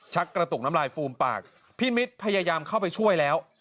กระตุกน้ำลายฟูมปากพี่มิตรพยายามเข้าไปช่วยแล้ว